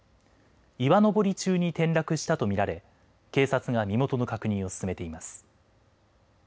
岩登り中に転落したと見られ警察が身元の確認を進めています。